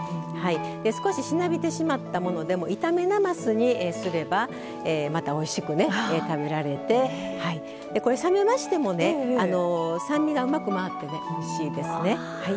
少し、しなびてしまったものでも炒めなますにすればまた、おいしく食べられて冷めましても酸味がうまく合っておいしいですね。